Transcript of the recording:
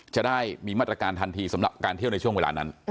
จะได้มีมาตรการทันทีสำหรับการเที่ยวในช่วงเวลานั้น